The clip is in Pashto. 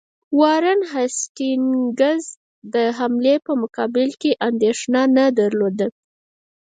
وارن هیسټینګز د حملې په مقابل کې اندېښنه نه درلوده.